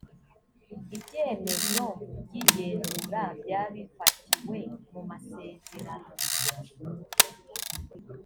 ibyemezo by igenzura byabifatiwe mu masezerano